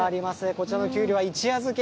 こちらのきゅうりは一夜漬け。